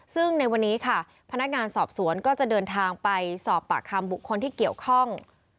ซึ่งในวันนี้ค่ะพนักงานสอบสวนก็จะเดินทางไปสอบปากคำบุคคลที่เกี่ยวข้อง